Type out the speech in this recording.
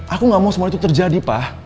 aku gak mau semua itu terjadi pak